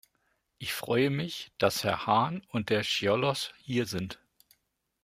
Ich freue mich, dass Herr Hahn und Herr Cioloş hier sind.